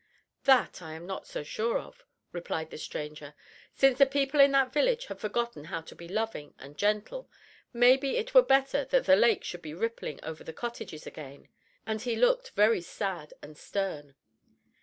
"That I am not so sure of," replied the stranger. "Since the people in that village have forgotten how to be loving and gentle, maybe it were better that the lake should be rippling over the cottages again," and he looked very sad and stern.